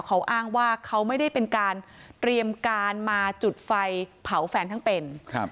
เขาอ้างว่าเขาไม่ได้เป็นการเตรียมการมาจุดไฟเผาแฟนทั้งเป็น